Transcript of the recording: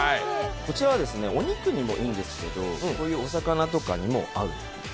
こちらはお肉にもいいんですけど、お魚とかにも合う。